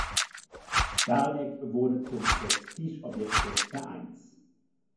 Stahleck wurde zum Prestigeobjekt des Vereins.